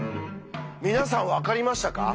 皆さん分かりましたか？